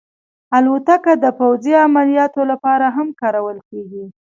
الوتکه د پوځي عملیاتو لپاره هم کارول کېږي.